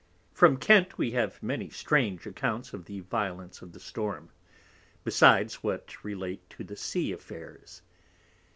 _ From Kent _we have many strange Accounts of the Violence of the Storm, besides what relate to the Sea Affairs.